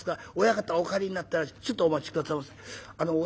親方お帰りになってちょっとお待ち下さいませ。